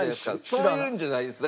そういうんじゃないです。